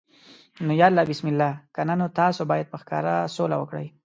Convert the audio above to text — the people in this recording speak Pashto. نو یا الله بسم الله، کنه نو تاسو باید په ښکاره سوله وکړئ.